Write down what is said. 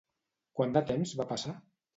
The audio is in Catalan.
Quant de temps va passar?